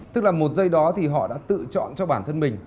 tức là một giây đó thì họ đã tự chọn cho bản thân mình